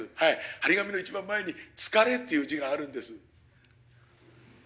貼り紙のいちばん前に「疲れ」という字があるんです。